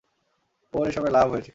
ওর এসবে লাভ হয়েছে!